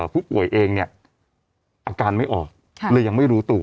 ผู้ป่วยเองเนี่ยอาการไม่ออกเลยยังไม่รู้ตัว